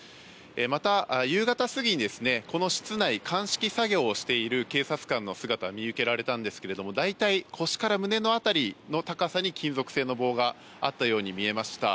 また、夕方過ぎにこの室内、鑑識作業をしている警察官の姿が見受けられたんですが大体、腰から胸の高さ辺りに金属製の棒があったように見えました。